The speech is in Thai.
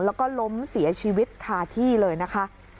แล้วก็ล้มเสียชีวิตคาที่เลยนะคะ